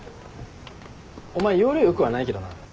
お前要領良くはないけどな。